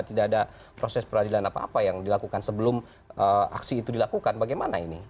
tidak ada proses peradilan apa apa yang dilakukan sebelum aksi itu dilakukan bagaimana ini